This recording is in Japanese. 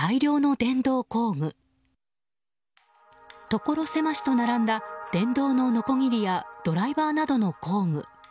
ところ狭しと並んだ電動ののこぎりやドライバーなどの工具。